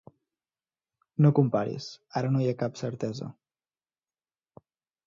No comparis, ara no hi ha cap certesa.